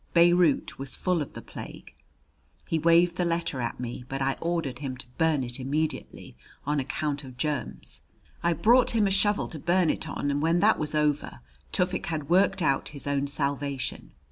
Beirut was full of the plague. He waved the letter at me; but I ordered him to burn it immediately on account of germs. I brought him a shovel to burn it on; and when that was over Tufik had worked out his own salvation.